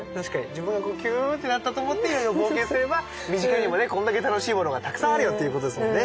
自分がキューッてなったと思っていろいろ冒険すれば身近にもねこんだけ楽しいものがたくさんあるよということですもんね。